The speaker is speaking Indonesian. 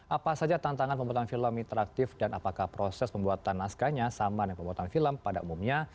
apa saja tantangan pembuatan film interaktif dan apakah proses pembuatan naskahnya sama dengan pembuatan film pada umumnya